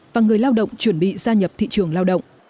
và người lao động chuẩn bị gia nhập thị trường lao động